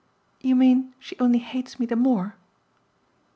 "You mean she only hates me the more?"